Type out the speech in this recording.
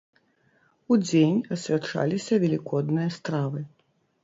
Удзень асвячаліся велікодныя стравы.